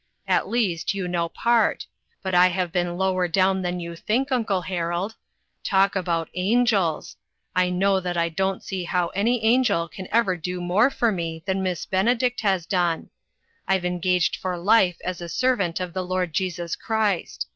At least, you know part ; but I have been lower down than you think, uncle Harold. Talk about angels ! I know DANGERS SEEN AND UNSEEN. 381 that I don't see how any angel can ever do more for me than Miss Benedict has done! I've engaged for life as a servant of the Lord Jesus Christ.